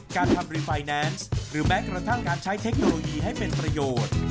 การทำรีไฟแนนซ์หรือแม้กระทั่งการใช้เทคโนโลยีให้เป็นประโยชน์